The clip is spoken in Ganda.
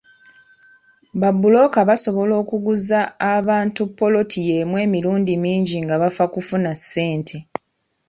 Babbulooka basobola okuguza abantu ppoloti yeemu emirundi mingi nga bafa kufuna ssente.